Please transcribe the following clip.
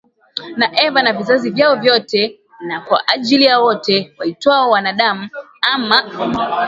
na Eva na vizazi vyao vyote na kwa ajili ya wote waitwao wanadamu ama